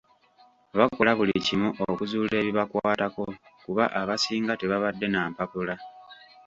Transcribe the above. Bakola buli kimu okuzuula ebibakwatako kuba abasinga tebabadde na mpapula.